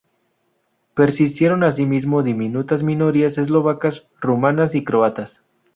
Persistieron asimismo diminutas minorías eslovacas, rumanas y croatas.